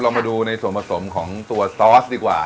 มาดูในส่วนผสมของตัวซอสดีกว่า